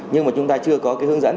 nhưng mà chúng ta chưa có cái hướng dẫn